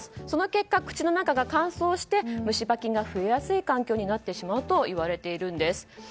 その結果、口の中が乾燥して虫歯菌が増えやすい環境になってしまうと言われているんです。